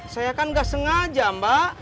saya kan nggak sengaja mbak